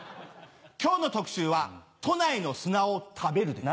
今日の特集は「都内の砂を食べる」です。